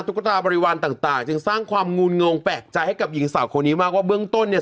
ตาบริวารต่างจึงสร้างความงูลงงงแปลกใจให้กับหญิงสาวคนนี้มากว่าเบื้องต้นเนี่ย